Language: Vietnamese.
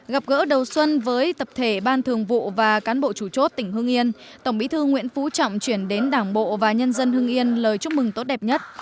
gặp gỡ đầu xuân với tập thể ban thường vụ và cán bộ chủ chốt tỉnh hương yên tổng bí thư nguyễn phú trọng chuyển đến đảng bộ và nhân dân hương yên lời chúc mừng tốt đẹp nhất